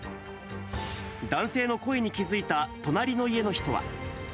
男性の声に気付いた隣の家の人は。